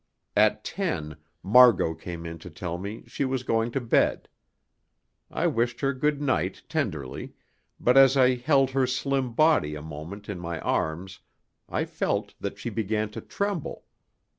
At ten Margot came in to tell me she was going to bed. I wished her good night tenderly, but as I held her slim body a moment in my arms I felt that she began to tremble.